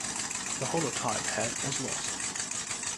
The holotype head was lost.